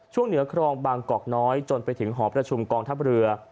เหนือครองบางกอกน้อยจนไปถึงหอประชุมกองทัพเรือ